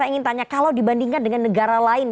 apakah itu bisa dibandingkan dengan negara lain